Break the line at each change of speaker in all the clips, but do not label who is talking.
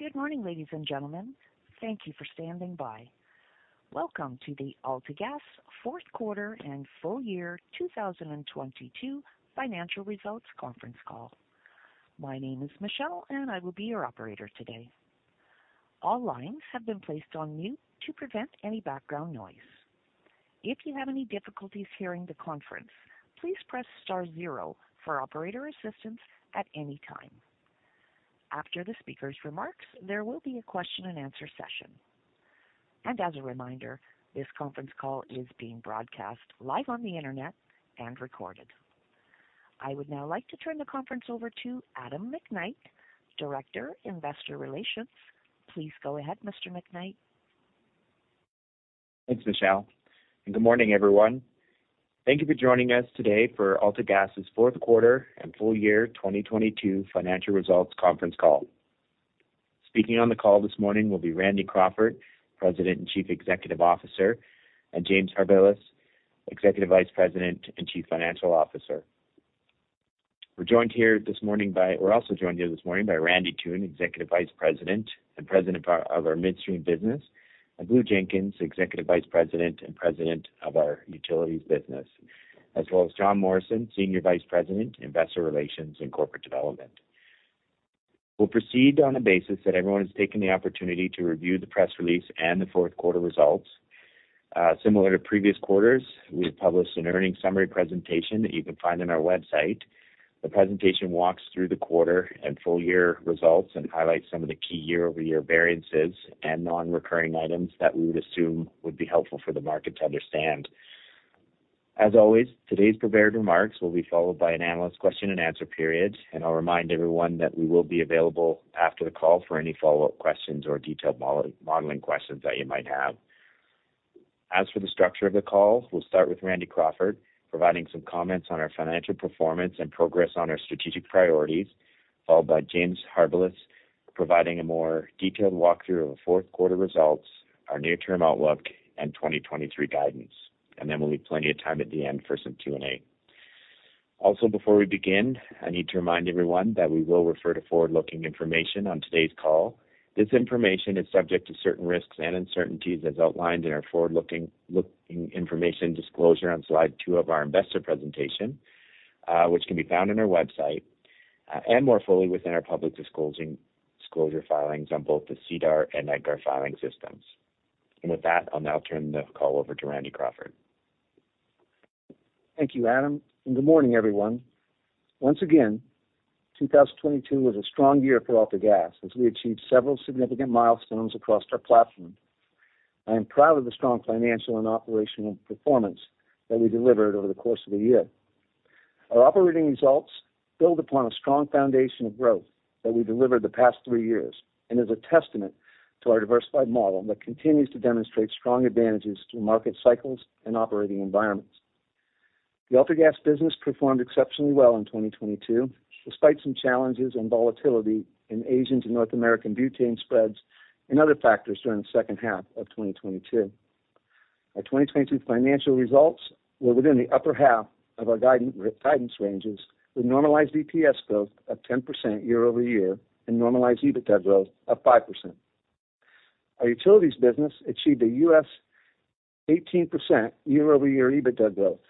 Good morning, ladies and gentlemen. Thank you for standing by. Welcome to the AltaGas Fourth Quarter and Full Year 2022 Financial Results Conference Call. My name is Michelle. I will be your operator today. All lines have been placed on mute to prevent any background noise. If you have any difficulties hearing the conference, please press star zero for operator assistance at any time. After the speaker's remarks, there will be a question-and-answer session. As a reminder, this conference call is being broadcast live on the Internet and recorded. I would now like to turn the conference over to Adam McKnight, Director, Investor Relations. Please go ahead, Mr. McKnight.
Thanks, Michelle. Good morning, everyone. Thank you for joining us today for AltaGas's fourth quarter and full year 2022 financial results conference call. Speaking on the call this morning will be Randy Crawford, President and Chief Executive Officer, and James Harbilas, Executive Vice President and Chief Financial Officer. We're also joined here this morning by Randy Toone, Executive Vice President and President of our Midstream business, and Blue Jenkins, Executive Vice President and President of our Utilities business, as well as Jon Morrison, Senior Vice President, Investor Relations and Corporate Development. We'll proceed on the basis that everyone has taken the opportunity to review the press release and the fourth quarter results. Similar to previous quarters, we've published an earnings summary presentation that you can find on our website. The presentation walks through the quarter and full year results and highlights some of the key year-over-year variances and non-recurring items that we would assume would be helpful for the market to understand. As always, today's prepared remarks will be followed by an analyst question-and-answer period. I'll remind everyone that we will be available after the call for any follow-up questions or detailed model, modeling questions that you might have. As for the structure of the call, we'll start with Randy Crawford providing some comments on our financial performance and progress on our strategic priorities. Followed by James Harbilas providing a more detailed walkthrough of the fourth quarter results, our near-term outlook, and 2023 guidance. We'll leave plenty of time at the end for some Q&A. Before we begin, I need to remind everyone that we will refer to forward-looking information on today's call. This information is subject to certain risks and uncertainties as outlined in our forward-looking information disclosure on slide two of our investor presentation, which can be found on our website, and more fully within our public disclosure filings on both the SEDAR and EDGAR filing systems. With that, I'll now turn the call over to Randy Crawford.
Thank you, Adam. Good morning, everyone. Once again, 2022 was a strong year for AltaGas as we achieved several significant milestones across our platform. I am proud of the strong financial and operational performance that we delivered over the course of the year. Our operating results build upon a strong foundation of growth that we delivered the past three years and is a testament to our diversified model that continues to demonstrate strong advantages through market cycles and operating environments. The AltaGas business performed exceptionally well in 2022, despite some challenges and volatility in Asian to North American butane spreads and other factors during the second half of 2022. Our 2022 financial results were within the upper half of our guidance ranges, with normalized EPS growth of 10% year-over-year and normalized EBITDA growth of 5%. Our utilities business achieved a U.S. 18% year-over-year EBITDA growth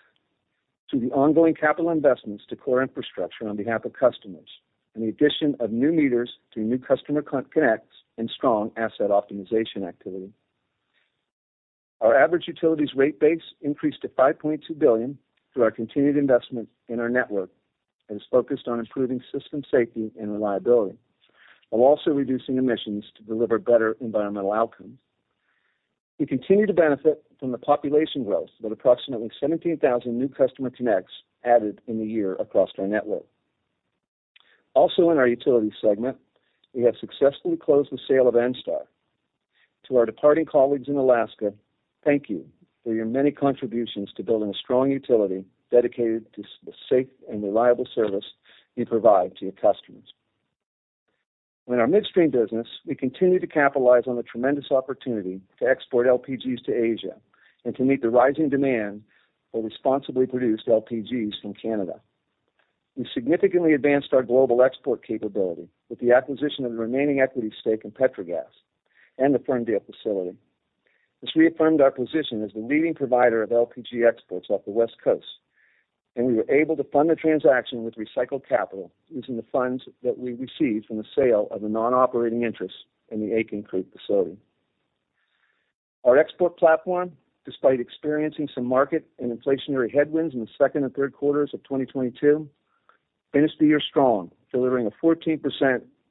through the ongoing capital investments to core infrastructure on behalf of customers and the addition of new meters through new customer connects and strong asset optimization activity. Our average utilities rate base increased to $5.2 billion through our continued investment in our network and is focused on improving system safety and reliability, while also reducing emissions to deliver better environmental outcomes. We continue to benefit from the population growth with approximately 17,000 new customer connects added in the year across our network. Also in our utility segment, we have successfully closed the sale of ENSTAR. To our departing colleagues in Alaska, thank you for your many contributions to building a strong utility dedicated to the safe and reliable service you provide to your customers. In our midstream business, we continue to capitalize on the tremendous opportunity to export LPGs to Asia and to meet the rising demand for responsibly produced LPGs from Canada. We significantly advanced our global export capability with the acquisition of the remaining equity stake in Petrogas and the Ferndale facility. This reaffirmed our position as the leading provider of LPG exports off the West Coast, and we were able to fund the transaction with recycled capital using the funds that we received from the sale of a non-operating interest in the Aitken Creek facility. Our export platform, despite experiencing some market and inflationary headwinds in the second and third quarters of 2022, finished the year strong, delivering a 14%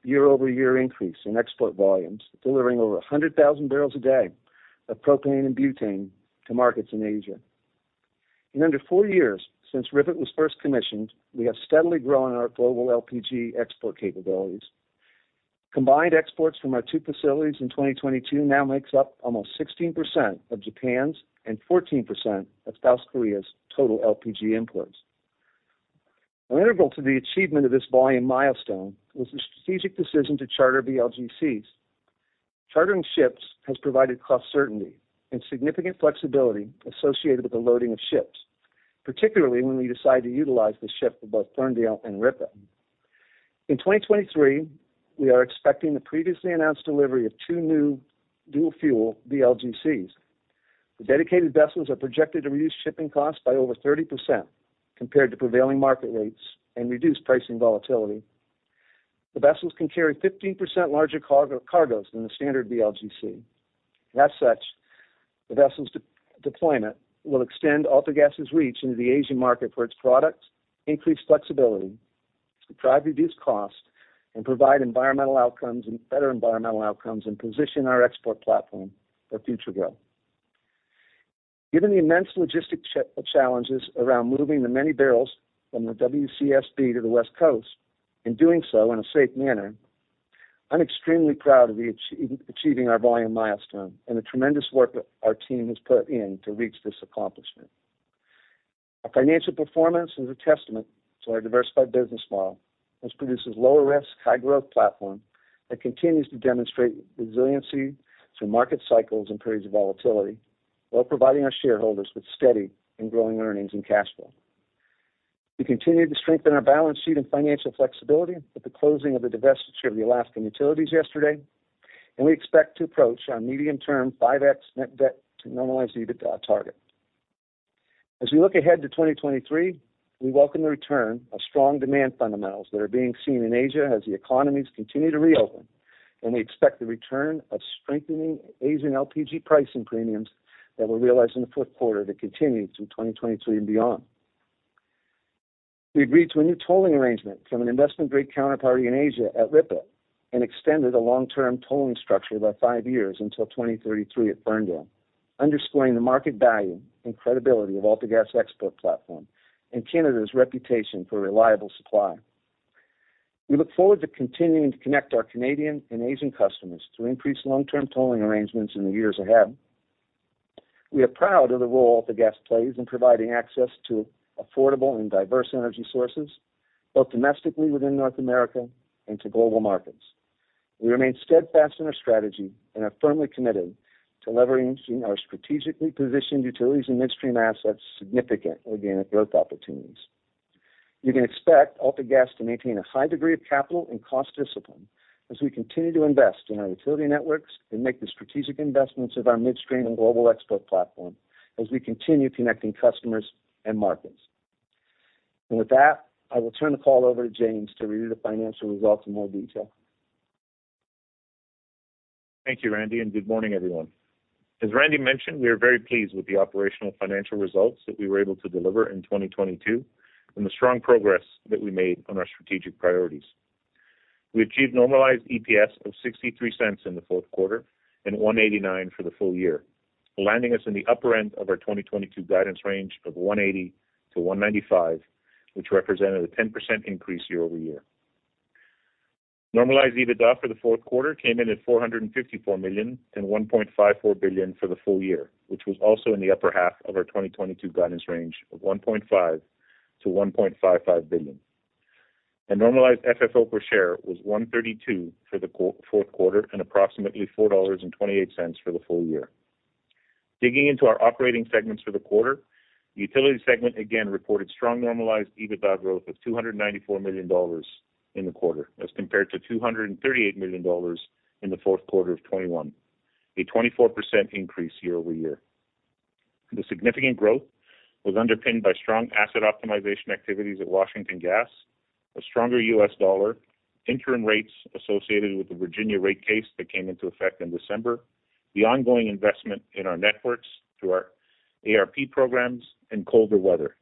year-over-year increase in export volumes, delivering over 100,000 bbl a day of propane and butane to markets in Asia. In under four years since RIPET was first commissioned, we have steadily grown our global LPG export capabilities. Combined exports from our two facilities in 2022 now makes up almost 16% of Japan's and 14% of South Korea's total LPG imports. An integral to the achievement of this volume milestone was the strategic decision to charter VLGCs. Chartering ships has provided cost certainty and significant flexibility associated with the loading of ships, particularly when we decide to utilize the ship for both Ferndale and RIPET. In 2023, we are expecting the previously announced delivery of two new dual-fuel VLGCs. The dedicated vessels are projected to reduce shipping costs by over 30% compared to prevailing market rates and reduce pricing volatility. The vessels can carry 15% larger cargos than the standard VLGC. As such, the vessels deployment will extend AltaGas's reach into the Asian market for its products, increase flexibility, drive reduced costs, and provide environmental outcomes and better environmental outcomes and position our export platform for future growth. Given the immense logistic challenges around moving the many barrels from the WCSB to the West Coast and doing so in a safe manner, I'm extremely proud of the achieving our volume milestone and the tremendous work that our team has put in to reach this accomplishment. Our financial performance is a testament to our diversified business model, which produces low-risk, high-growth platform that continues to demonstrate resiliency through market cycles and periods of volatility while providing our shareholders with steady and growing earnings and cash flow. We continue to strengthen our balance sheet and financial flexibility with the closing of the divestiture of the Alaskan utilities yesterday. We expect to approach our medium-term 5x net debt to normalized EBITDA target. As we look ahead to 2023, we welcome the return of strong demand fundamentals that are being seen in Asia as the economies continue to reopen. We expect the return of strengthening Asian LPG pricing premiums that were realized in the fourth quarter to continue through 2023 and beyond. We agreed to a new tolling arrangement from an investment-grade counterparty in Asia at RIPET and extended a long-term tolling structure by five years until 2033 at Ferndale, underscoring the market value and credibility of AltaGas export platform and Canada's reputation for reliable supply. We look forward to continuing to connect our Canadian and Asian customers through increased long-term tolling arrangements in the years ahead. We are proud of the role AltaGas plays in providing access to affordable and diverse energy sources, both domestically within North America and to global markets. We remain steadfast in our strategy and are firmly committed to leveraging our strategically positioned utilities and midstream assets' significant organic growth opportunities. You can expect AltaGas to maintain a high degree of capital and cost discipline as we continue to invest in our utility networks and make the strategic investments of our midstream and global export platform as we continue connecting customers and markets. With that, I will turn the call over to James to review the financial results in more detail.
Thank you, Randy Crawford, and good morning, everyone. As Randy Crawford mentioned, we are very pleased with the operational financial results that we were able to deliver in 2022 and the strong progress that we made on our strategic priorities. We achieved normalized EPS of 0.63 in the fourth quarter and 1.89 for the full year, landing us in the upper end of our 2022 guidance range of 1.80-1.95, which represented a 10% increase year-over-year. Normalized EBITDA for the fourth quarter came in at 454 million and 1.54 billion for the full year, which was also in the upper half of our 2022 guidance range of 1.5 billion-1.55 billion. The normalized FFO per share was $1.32 for the fourth quarter and approximately $4.28 for the full year. Digging into our operating segments for the quarter, the utility segment again reported strong normalized EBITDA growth of $294 million in the quarter as compared to $238 million in the fourth quarter of 2021, a 24% increase year-over-year. The significant growth was underpinned by strong asset optimization activities at Washington Gas, a stronger U.S. dollar, interim rates associated with the Virginia rate case that came into effect in December, the ongoing investment in our networks through our ARP programs, and colder weather.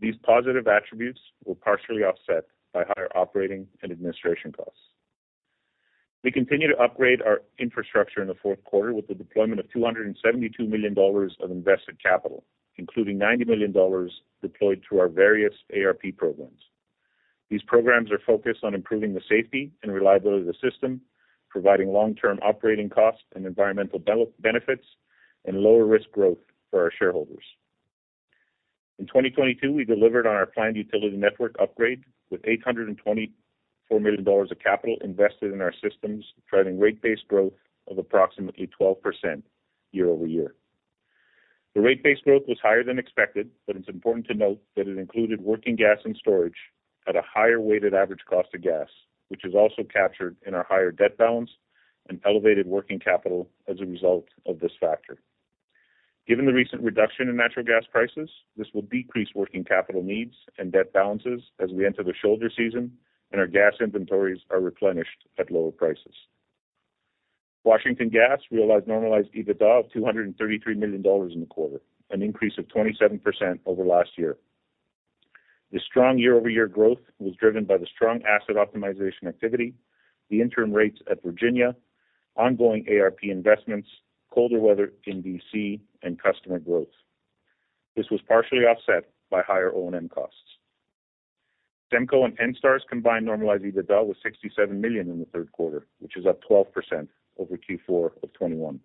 These positive attributes were partially offset by higher operating and administration costs. We continued to upgrade our infrastructure in the fourth quarter with the deployment of 272 million dollars of invested capital, including 90 million dollars deployed through our various ARP programs. These programs are focused on improving the safety and reliability of the system, providing long-term operating costs and environmental benefits, and lower risk growth for our shareholders. In 2022, we delivered on our planned utility network upgrade with 824 million dollars of capital invested in our systems, driving rate-based growth of approximately 12% year-over-year. The rate-based growth was higher than expected, it's important to note that it included working gas and storage at a higher weighted average cost of gas, which is also captured in our higher debt balance and elevated working capital as a result of this factor. Given the recent reduction in natural gas prices, this will decrease working capital needs and debt balances as we enter the shoulder season and our gas inventories are replenished at lower prices. Washington Gas realized normalized EBITDA of $233 million in the quarter, an increase of 27% over last year. This strong year-over-year growth was driven by the strong asset optimization activity, the interim rates at Virginia, ongoing ARP investments, colder weather in D.C., and customer growth. This was partially offset by higher O&M costs. SEMCO and ENSTAR's combined normalized EBITDA was $67 million in the third quarter, which is up 12% over Q4 of 2021.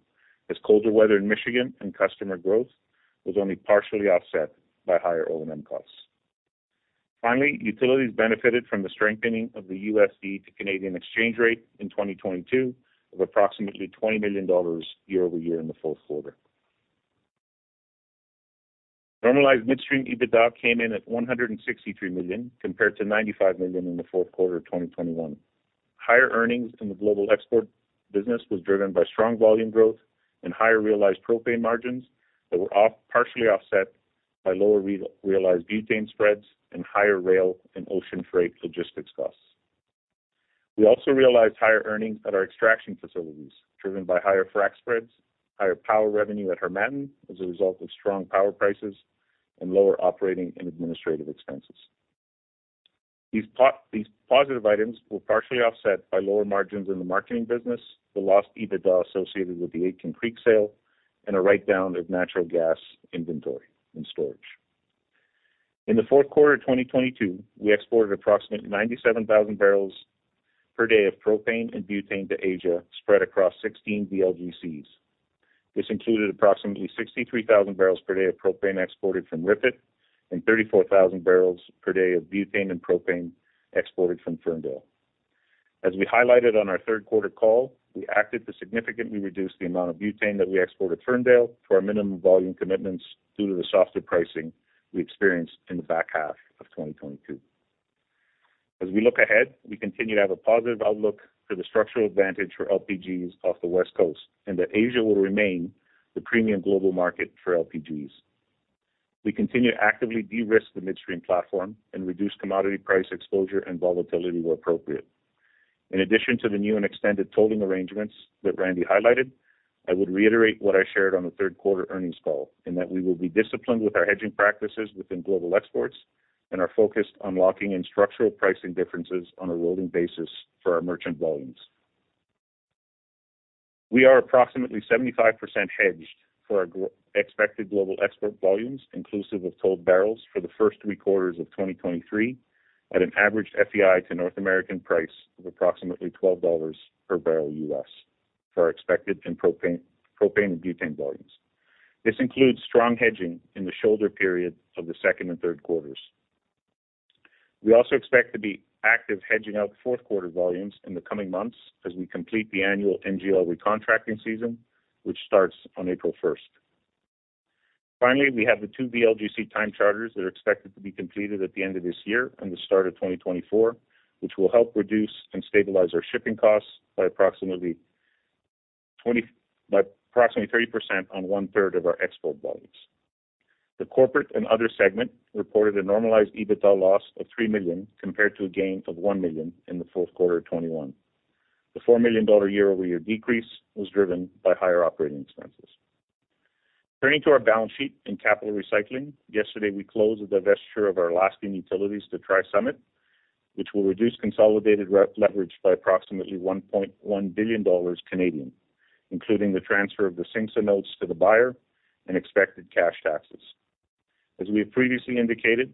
This colder weather in Michigan and customer growth was only partially offset by higher O&M costs. Finally, utilities benefited from the strengthening of the USD to Canadian exchange rate in 2022 of approximately 20 million dollars year-over-year in the fourth quarter. Normalized midstream EBITDA came in at 163 million compared to 95 million in the fourth quarter of 2021. Higher earnings in the global export business was driven by strong volume growth and higher realized propane margins that were partially offset by lower realized butane spreads and higher rail and ocean freight logistics costs. We also realized higher earnings at our extraction facilities, driven by higher frac spreads, higher power revenue at Harmattan as a result of strong power prices, and lower operating and administrative expenses. These positive items were partially offset by lower margins in the marketing business, the lost EBITDA associated with the Aitken Creek sale, and a write-down of natural gas inventory and storage. In the fourth quarter of 2022, we exported approximately 97,000 bbl per day of propane and butane to Asia, spread across 16 VLGCs. This included approximately 63,000 bbl per day of propane exported from RIPET and 34,000 bbl per day of butane and propane exported from Ferndale. As we highlighted on our third quarter call, we acted to significantly reduce the amount of butane that we export at Ferndale to our minimum volume commitments due to the softer pricing we experienced in the back half of 2022. As we look ahead, we continue to have a positive outlook for the structural advantage for LPGs off the West Coast, and that Asia will remain the premium global market for LPGs. We continue to actively de-risk the midstream platform and reduce commodity price exposure and volatility where appropriate. In addition to the new and extended tolling arrangements that Randy highlighted, I would reiterate what I shared on the third quarter earnings call, and that we will be disciplined with our hedging practices within global exports and are focused on locking in structural pricing differences on a rolling basis for our merchant volumes. We are approximately 75% hedged for our expected global export volumes, inclusive of tolled barrels for the first three quarters of 2023 at an average FEI to North American price of approximately $12 per bbl U.S. for our expected propane and butane volumes. This includes strong hedging in the shoulder period of the second and third quarters. We also expect to be active hedging out fourth quarter volumes in the coming months as we complete the annual NGL recontracting season, which starts on April first. Finally, we have the two VLGC time charters that are expected to be completed at the end of this year and the start of 2024, which will help reduce and stabilize our shipping costs by approximately 30% on one-third of our export volumes. The corporate and other segment reported a normalized EBITDA loss of 3 million compared to a gain of 1 million in the fourth quarter of 2021. The 4 million dollar year-over-year decrease was driven by higher operating expenses. Turning to our balance sheet and capital recycling, yesterday, we closed the divestiture of our Alaskan utilities to TriSummit, which will reduce consolidated leverage by approximately 1.1 billion Canadian dollars, including the transfer of the CINGSA notes to the buyer and expected cash taxes. As we have previously indicated,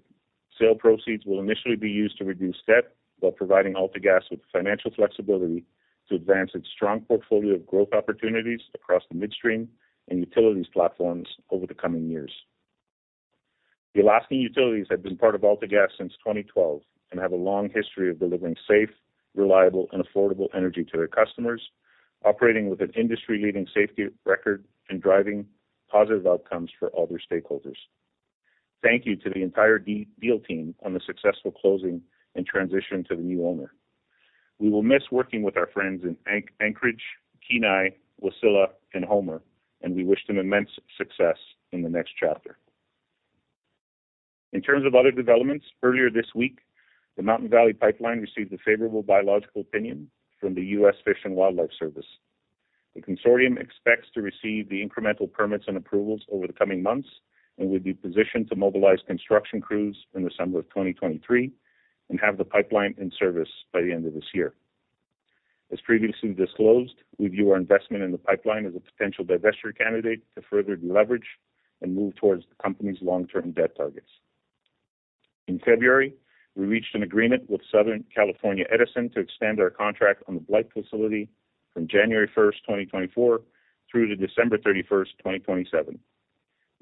sale proceeds will initially be used to reduce debt while providing AltaGas with financial flexibility to advance its strong portfolio of growth opportunities across the midstream and utilities platforms over the coming years. The Alaskan utilities have been part of AltaGas since 2012 and have a long history of delivering safe, reliable, and affordable energy to their customers, operating with an industry-leading safety record and driving positive outcomes for all their stakeholders. Thank you to the entire deal team on the successful closing and transition to the new owner. We will miss working with our friends in Anchorage, Kenai, Wasilla, and Homer, and we wish them immense success in the next chapter. In terms of other developments, earlier this week, the Mountain Valley Pipeline received a favorable biological opinion from the U.S. Fish and Wildlife Service. The consortium expects to receive the incremental permits and approvals over the coming months and will be positioned to mobilize construction crews in the summer of 2023 and have the pipeline in service by the end of this year. As previously disclosed, we view our investment in the pipeline as a potential divesture candidate to further deleverage and move towards the company's long-term debt targets. In February, we reached an agreement with Southern California Edison to extend our contract on the Blythe facility from January 1, 2024, through to December 31, 2027.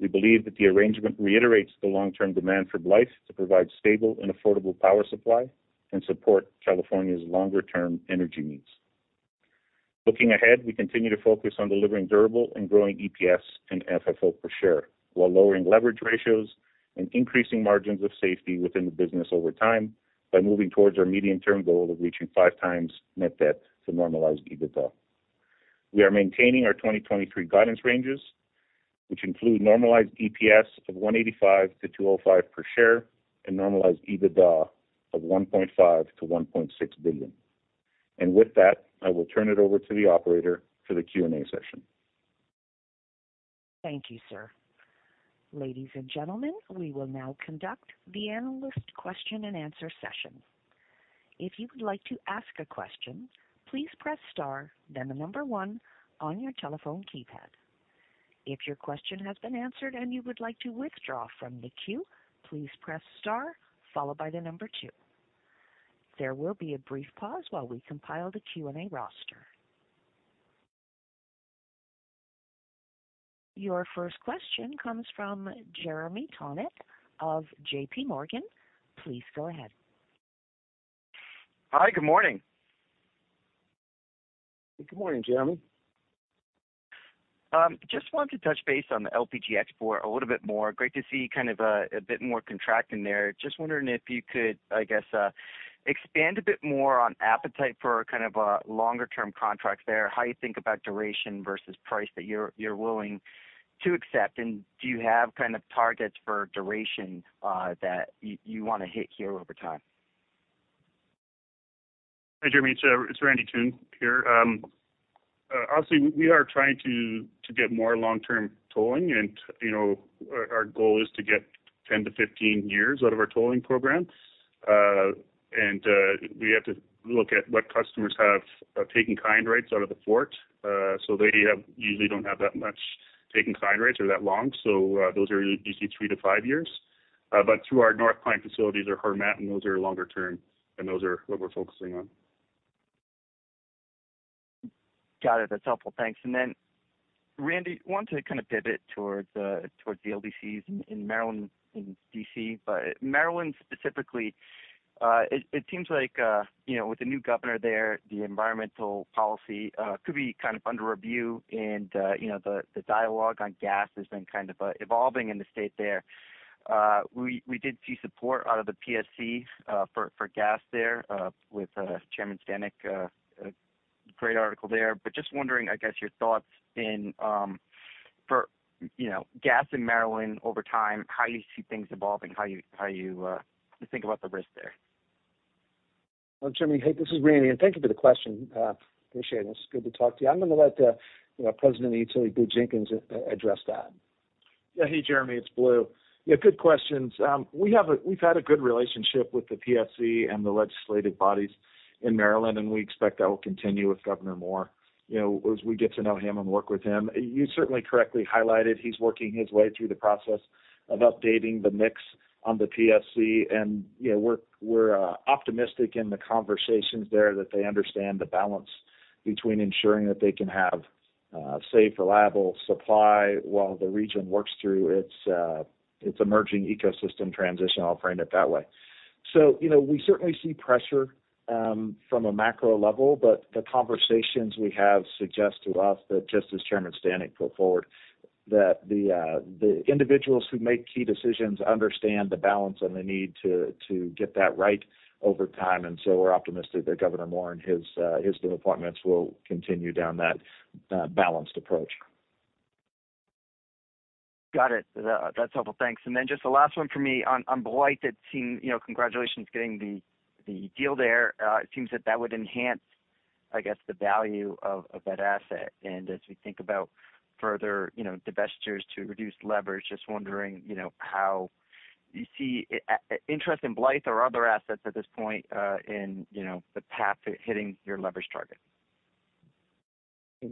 We believe that the arrangement reiterates the long-term demand for Blythe to provide stable and affordable power supply and support California's longer-term energy needs. Looking ahead, we continue to focus on delivering durable and growing EPS and FFO per share while lowering leverage ratios and increasing margins of safety within the business over time by moving towards our medium-term goal of reaching 5x net debt to normalized EBITDA. We are maintaining our 2023 guidance ranges, which include normalized EPS of 1.85-2.05 per share and normalized EBITDA of 1.5 billion-1.6 billion. With that, I will turn it over to the operator for the Q&A session.
Thank you, sir. Ladies and gentlemen, we will now conduct the analyst question-and-answer session. If you would like to ask a question, please press star then one on your telephone keypad. If your question has been answered and you would like to withdraw from the queue, please press star followed by two. There will be a brief pause while we compile the Q&A roster. Your first question comes from Jeremy Tonet of JPMorgan. Please go ahead.
Hi. Good morning.
Good morning, Jeremy.
Just wanted to touch base on the LPG export a little bit more. Great to see kind of a bit more contracting there. Just wondering if you could, I guess, expand a bit more on appetite for kind of a longer term contract there, how you think about duration versus price that you're willing to accept. Do you have kind of targets for duration that you wanna hit here over time?
Hi, Jeremy. It's Randy Toone here. Obviously we are trying to get more long-term tolling and, you know, our goal is to get 10-15 years out of our tolling programs. We have to look at what customers have take-in-kind rights out of the fort. They have usually don't have that much take-in-kind rights or that long. Those are usually 3-5 years. Through our North Pine facilities or Harmattan, and those are longer term, and those are what we're focusing on.
Got it. That's helpful. Thanks. Randy, wanted to kinda pivot towards towards the LDCs in Maryland and D.C. Maryland specifically, it seems like, you know, with the new Governor there, the environmental policy could be kind of under review and, you know, the dialogue on gas has been kind of evolving in the state there. We did see support out of the PSC for gas there, with Chairman Stanek, great article there. Just wondering, I guess, your thoughts in for, you know, gas in Maryland over time, how you see things evolving, how you, how you think about the risk there?
Well, Jeremy, hey, this is Randy, and thank you for the question. Appreciate it. It's good to talk to you. I'm gonna let, you know, President Donald Blue Jenkins address that.
Yeah. Hey, Jeremy, it's Blue. Yeah, good questions. We've had a good relationship with the PSC and the legislative bodies in Maryland. We expect that will continue with Governor Moore, you know, as we get to know him and work with him. You certainly correctly highlighted he's working his way through the process of updating the mix on the PSC. You know, we're optimistic in the conversations there that they understand the balance between ensuring that they can have safe, reliable supply while the region works through its emerging ecosystem transition, I'll frame it that way. You know, we certainly see pressure from a macro level, but the conversations we have suggest to us that just as Chairman Stanek put forward, that the individuals who make key decisions understand the balance and the need to get that right over time. We're optimistic that Governor Moore and his new appointments will continue down that balanced approach.
Got it. That's helpful. Thanks. Then just the last one for me on Blythe. You know, congratulations getting the deal there. It seems that that would enhance, I guess, the value of that asset. As we think about further, you know, divestitures to reduce leverage, just wondering, you know, how you see interest in Blythe or other assets at this point, in, you know, the path to hitting your leverage target.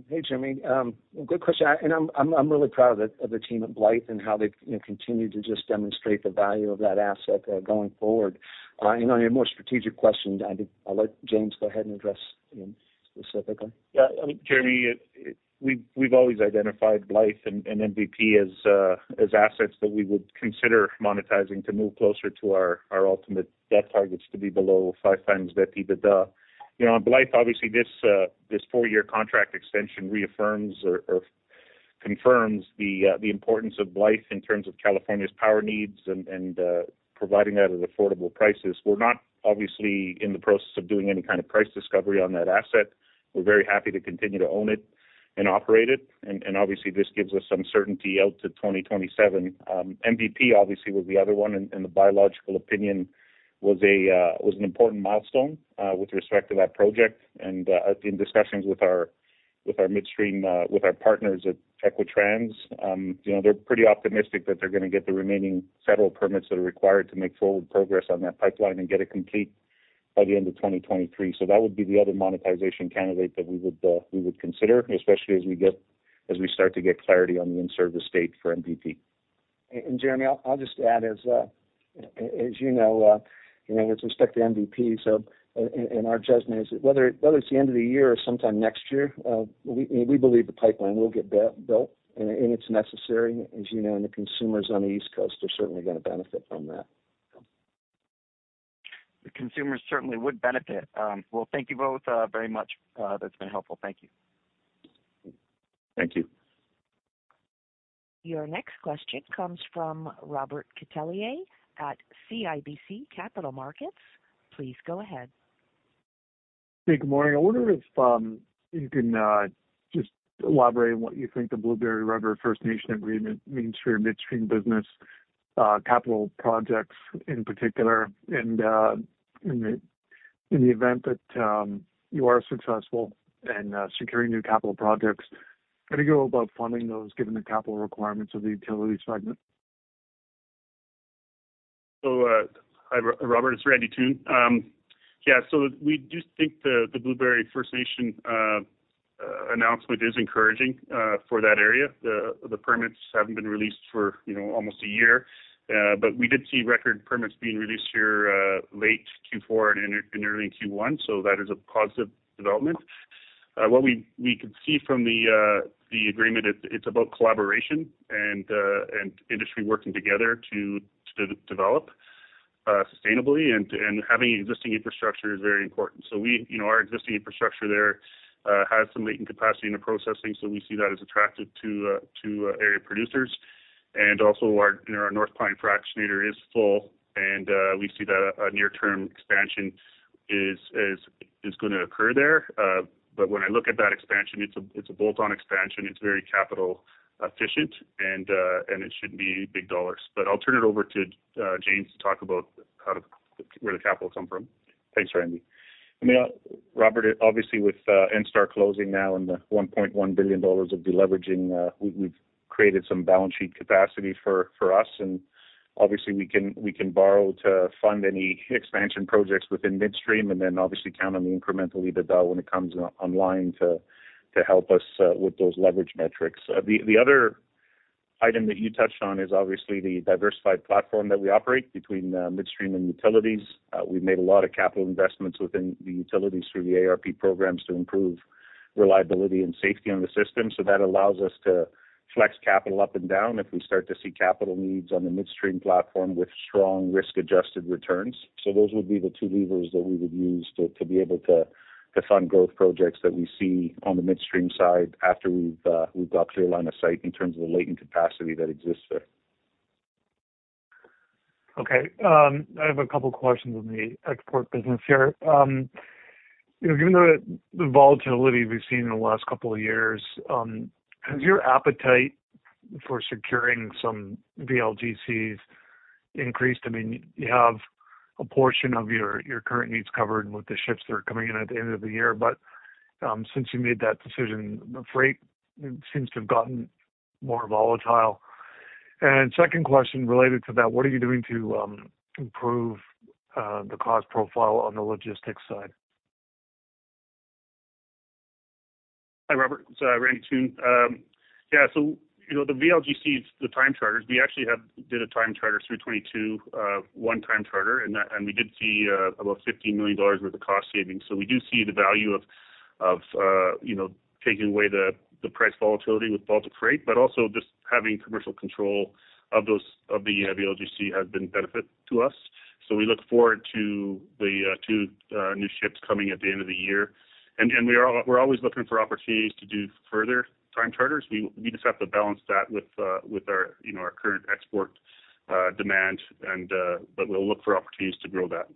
Hey, Jeremy, good question. I'm really proud of the team at Blythe and how they've, you know, continued to just demonstrate the value of that asset, going forward. On your more strategic question, I think I'll let James go ahead and address, you know, specifically.
Yeah. Jeremy, we've always identified Blythe and MVP as assets that we would consider monetizing to move closer to our ultimate debt targets to be below 5x the EBITDA. You know, Blythe, obviously this 4-year contract extension reaffirms or confirms the importance of Blythe in terms of California's power needs and providing that at affordable prices. We're not obviously in the process of doing any kind of price discovery on that asset. We're very happy to continue to own it and operate it. obviously this gives us some certainty out to 2027. MVP obviously was the other one, in the biological opinion, was an important milestone with respect to that project. In discussions with our midstream, with our partners at Equitrans, you know, they're pretty optimistic that they're gonna get the remaining federal permits that are required to make forward progress on that pipeline and get it complete by the end of 2023. That would be the other monetization candidate that we would consider, especially as we start to get clarity on the in-service date for MVP.
Jeremy, I'll just add, as you know, with respect to MVP, so in our judgment, whether it's the end of the year or sometime next year, we believe the pipeline will get built and it's necessary. As you know, the consumers on the East Coast are certainly gonna benefit from that.
The consumers certainly would benefit. Well, thank you both, very much. That's been helpful. Thank you.
Thank you.
Your next question comes from Robert Catellier at CIBC Capital Markets. Please go ahead.
Hey, good morning. I wonder if you can just elaborate on what you think the Blueberry River First Nations agreement means for your midstream business, capital projects in particular. In the event that you are successful in securing new capital projects, how do you go about funding those, given the capital requirements of the utilities segment?
Hi, Robert, it's Randy Toone. Yeah. We do think the Blueberry First Nation announcement is encouraging for that area. The permits haven't been released for, you know, almost a year. We did see record permits being released here late Q4 and early in Q1, so that is a positive development. What we could see from the agreement, it's about collaboration and industry working together to develop sustainably and having existing infrastructure is very important. We, you know, our existing infrastructure there has some latent capacity in the processing, so we see that as attractive to area producers. Also our, you know, our North Pine fractionator is full and we see that a near-term expansion is gonna occur there. When I look at that expansion, it's a bolt-on expansion, it's very capital efficient and it shouldn't be big dollars. I'll turn it over to James to talk about where the capital comes from.
Thanks, Randy. I mean, Robert, obviously, with ENSTAR closing now and the $1.1 billion of de-leveraging, we've created some balance sheet capacity for us, and obviously we can borrow to fund any expansion projects within midstream and then obviously count on the incremental EBITDA when it comes online to help us with those leverage metrics. The other item that you touched on is obviously the diversified platform that we operate between midstream and utilities. We've made a lot of capital investments within the utilities through the ARP programs to improve reliability and safety on the system. That allows us to flex capital up and down if we start to see capital needs on the midstream platform with strong risk-adjusted returns. Those would be the two levers that we would use to be able to fund growth projects that we see on the midstream side after we've got clear line of sight in terms of the latent capacity that exists there.
Okay. I have a couple questions on the export business here. you know, given the volatility we've seen in the last couple of years, has your appetite for securing some VLGCs increased? I mean, you have a portion of your current needs covered with the ships that are coming in at the end of the year. Since you made that decision, the freight seems to have gotten more volatile. Second question related to that, what are you doing to improve the cost profile on the logistics side?
Hi, Robert. It's Randy Toone. You know, the VLGC, the time charters, we actually did a time charter through 2022, one time charter, and we did see about 50 million dollars worth of cost savings. We do see the value of, you know, taking away the price volatility with Baltic freight, but also just having commercial control of those, the VLGC has been a benefit to us. We look forward to the two new ships coming at the end of the year. We're always looking for opportunities to do further time charters. We just have to balance that with our, you know, our current export demand and we'll look for opportunities to grow that.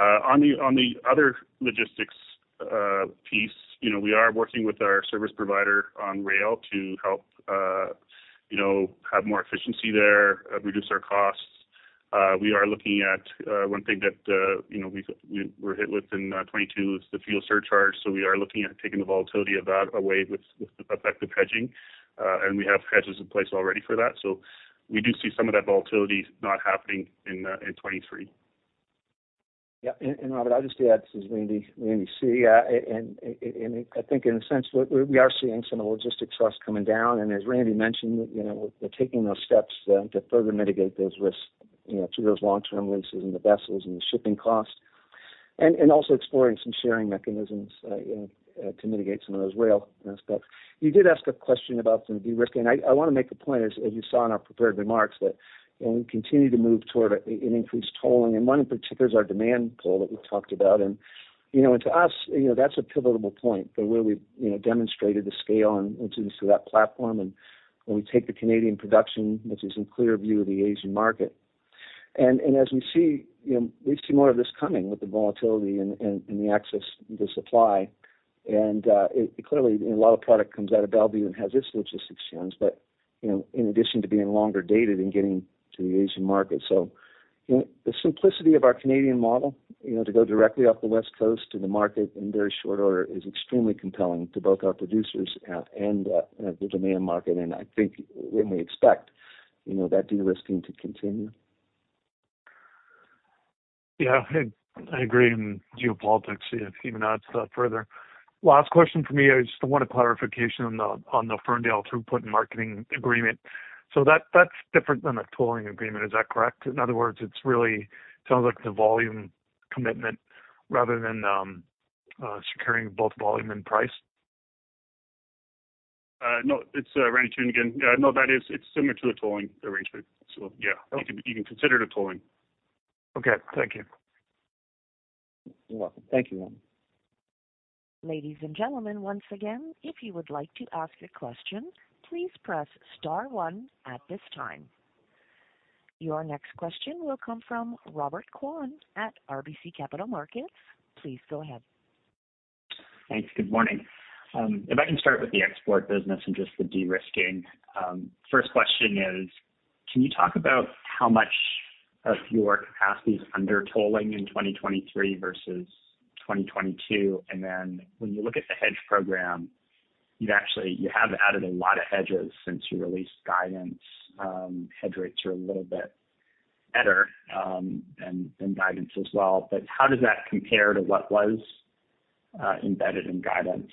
On the, on the other logistics piece, you know, we are working with our service provider on rail to help, you know, have more efficiency there, reduce our costs. We are looking at one thing that, you know, we were hit with in 2022 is the fuel surcharge. We are looking at taking the volatility of that away with effective hedging. We have hedges in place already for that. We do see some of that volatility not happening in 2023.
Yeah. Robert, I'll just add. This is Randy Toone. I think in a sense, we are seeing some of the logistics costs coming down. As Randy mentioned, you know, we're taking those steps to further mitigate those risks, you know, through those long-term leases and the vessels and the shipping costs. Also exploring some sharing mechanisms, you know, to mitigate some of those rail aspects. You did ask a question about some de-risking. I wanna make the point, as you saw in our prepared remarks, that, you know, we continue to move toward an increased tolling and one in particular is our demand pool that we've talked about. You know, to us, you know, that's a pivotable point for where we've, you know, demonstrated the scale and to that platform. When we take the Canadian production, which is in clear view of the Asian market. As we see, you know, we see more of this coming with the volatility and the access to supply. It clearly, a lot of product comes out of Mont Belvieu and has its logistics challenges. You know, in addition to being longer dated and getting to the Asian market. You know, the simplicity of our Canadian model, you know, to go directly off the West Coast to the market in very short order is extremely compelling to both our producers and the demand market. I think, we expect, you know, that de-risking to continue.
I agree. Geopolitics, it even adds to that further. Last question for me. I just wanted clarification on the Ferndale throughput and marketing agreement. That's different than a tolling agreement, is that correct? In other words, it's really sounds like the volume commitment rather than securing both volume and price.
No, it's Randy Toone again. No, it's similar to the tolling arrangement. Yeah, you can consider it a tolling.
Okay, thank you.
You're welcome. Thank you, Robert.
Ladies and gentlemen, once again, if you would like to ask a question, please press star one at this time. Your next question will come from Robert Kwan at RBC Capital Markets. Please go ahead.
Thanks. Good morning. If I can start with the export business and just the de-risking. First question is, can you talk about how much of your capacity is under tolling in 2023 versus 2022? When you look at the hedge program, you have added a lot of hedges since you released guidance. Hedge rates are a little bit better than guidance as well. How does that compare to what was embedded in guidance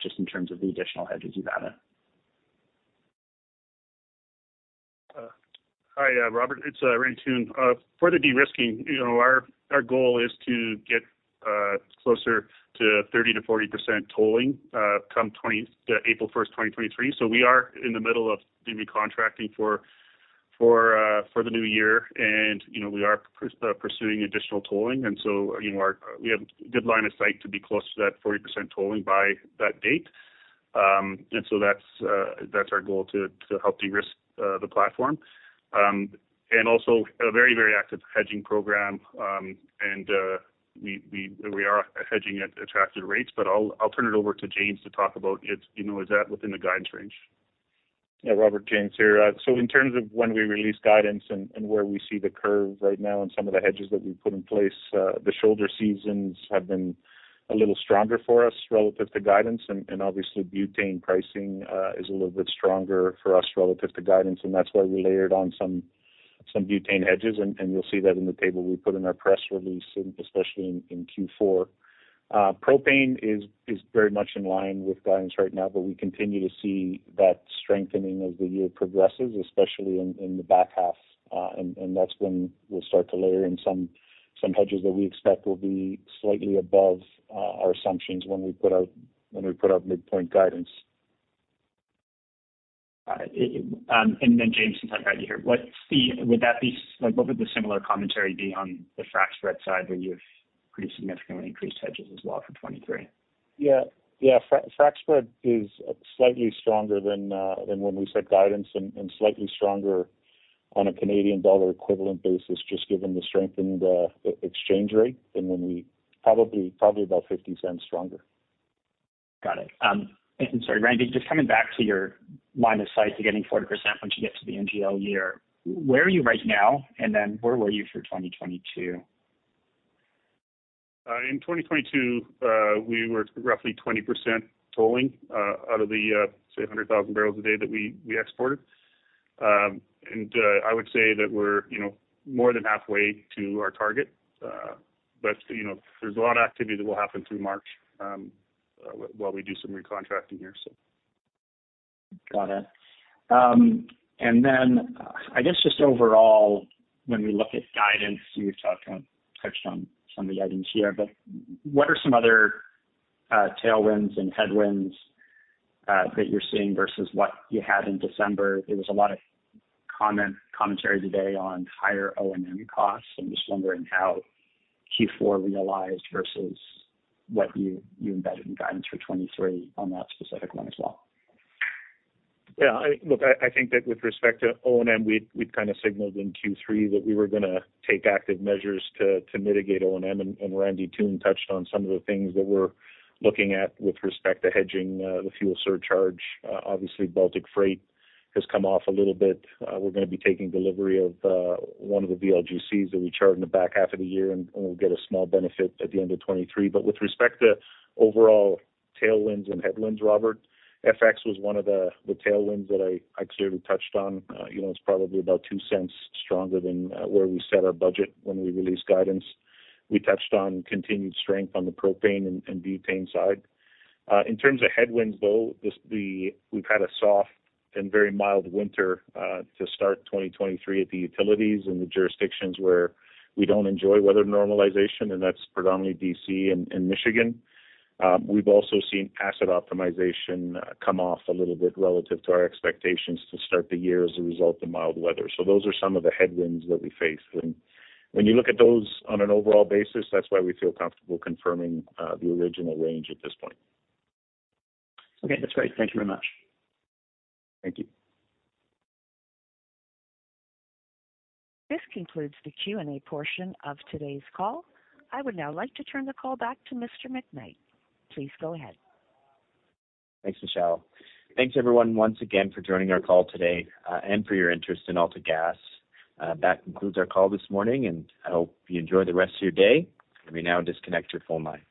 just in terms of the additional hedges you've added?
Hi, Robert. It's Randy Toone. For the de-risking, you know, our goal is to get closer to 30%-40% tolling come April 1, 2023. We are in the middle of de-risking contracting for the new year. You know, we are pursuing additional tolling. You know, we have good line of sight to be close to that 40% tolling by that date. That's our goal to help de-risk the platform. Also a very, very active hedging program. We are hedging at attractive rates, but I'll turn it over to James to talk about it, you know, is that within the guidance range.
Yeah, Robert, James here. In terms of when we release guidance and where we see the curve right now and some of the hedges that we've put in place, the shoulder seasons have been a little stronger for us relative to guidance. Obviously butane pricing is a little bit stronger for us relative to guidance, and that's why we layered on some butane hedges. You'll see that in the table we put in our press release, and especially in Q4. Propane is very much in line with guidance right now, but we continue to see that strengthening as the year progresses, especially in the back half. That's when we'll start to layer in some hedges that we expect will be slightly above our assumptions when we put out midpoint guidance.
James, since I'm glad you're here, like, what would the similar commentary be on the frac spread side, where you've pretty significantly increased hedges as well for 23?
Yeah. Yeah. frac spread is slightly stronger than when we set guidance, and slightly stronger on a Canadian dollar equivalent basis, just given the strength in the exchange rate. Probably about 0.50 stronger.
Got it. Sorry, Randy, just coming back to your line of sight to getting 40% once you get to the NGL year, where are you right now? Then where were you for 2022?
In 2022, we were roughly 20% tolling out of the, say, 100,000 bbl a day that we exported. I would say that we're, you know, more than halfway to our target. You know, there's a lot of activity that will happen through March while we do some recontracting here.
Got it. I guess just overall, when we look at guidance, you've talked on, touched on some of the items here, but what are some other tailwinds and headwinds that you're seeing versus what you had in December? There was a lot of commentary today on higher O&M costs. I'm just wondering how Q4 realized versus what you embedded in guidance for 2023 on that specific one as well.
Yeah, look, I think that with respect to O&M, we'd kinda signaled in Q3 that we were gonna take active measures to mitigate O&M. Randy Toone touched on some of the things that we're looking at with respect to hedging the fuel surcharge. Obviously, Baltic freight has come off a little bit. We're gonna be taking delivery of one of the VLGCs that we chart in the back half of the year, and we'll get a small benefit at the end of 23. With respect to overall tailwinds and headwinds, Robert, FX was one of the tailwinds that I clearly touched on. You know, it's probably about 0.02 stronger than where we set our budget when we released guidance. We touched on continued strength on the propane and butane side. In terms of headwinds, though, we've had a soft and very mild winter to start 2023 at the utilities in the jurisdictions where we don't enjoy weather normalization, and that's predominantly D.C. and Michigan. We've also seen asset optimization come off a little bit relative to our expectations to start the year as a result of mild weather. Those are some of the headwinds that we face. When you look at those on an overall basis, that's why we feel comfortable confirming the original range at this point.
Okay, that's great. Thank you very much.
Thank you.
This concludes the Q&A portion of today's call. I would now like to turn the call back to Mr. McKnight. Please go ahead.
Thanks, Michelle. Thanks, everyone, once again, for joining our call today, and for your interest in AltaGas. That concludes our call this morning, and I hope you enjoy the rest of your day. Let me now disconnect your phone line.